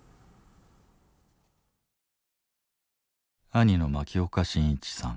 兄の牧岡伸一さん。